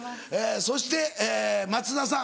そして松田さん。